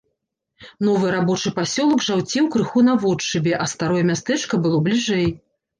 Новы рабочы пасёлак жаўцеў крыху наводшыбе, а старое мястэчка было бліжэй.